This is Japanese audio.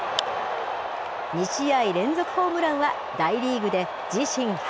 ２試合連続ホームランは大リーグで自身初。